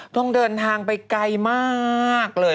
ต้องเดินทางไปไกลมากเลย